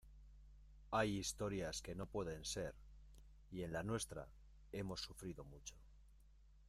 hay historias que no pueden ser y en la nuestra hemos sufrido mucho.